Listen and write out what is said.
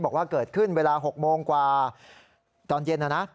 บอกว่าเกิดขึ้นเวลา๖โมงกว่าตอนเย็นนะนะ